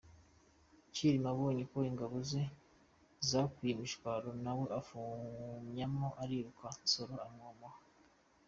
Cyilima abonye ko ingabo ze zakwiye imishwaro, na we afumyamo ariruka Nsoro amwomaho